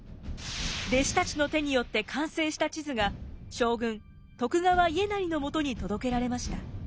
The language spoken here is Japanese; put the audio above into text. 弟子たちの手によって完成した地図が将軍徳川家斉のもとに届けられました。